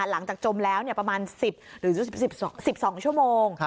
หลังจากจมแล้วประมาณ๑๐หรือ๑๒ชั่วโมง